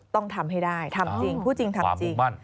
ต้องทำให้ได้พูดจริงทำจริง